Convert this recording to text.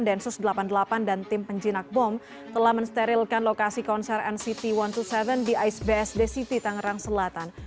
densus delapan puluh delapan dan tim penjinak bom telah mensterilkan lokasi konser nct satu ratus dua puluh tujuh di icebsd city tangerang selatan